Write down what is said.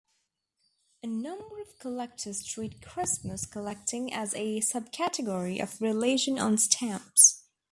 A number of collectors treat Christmas collecting as a subcategory of religion on stamps.